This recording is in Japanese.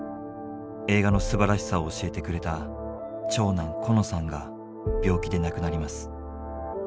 映画のすばらしさを教えてくれた長男コノさんが病気で亡くなります。